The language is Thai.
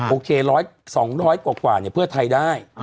โอเค๑๐๐๒๐๐กว่าเพื่อไทยได้